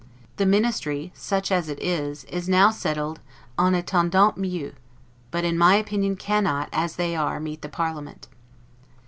The Ministry, such as it is, is now settled 'en attendant mieux'; but, in, my opinion cannot, as they are, meet the parliament.